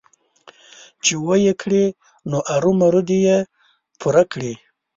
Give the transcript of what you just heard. چې ويې کړي نو ارومرو دې يې پوره کړي.